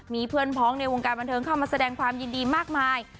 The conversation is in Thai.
มีเพื่อนพ้องในวงการบันเทิงเข้ามาแสดงความยินดีมากมาย